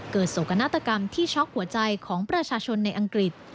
โศกนาฏกรรมที่ช็อกหัวใจของประชาชนในอังกฤษ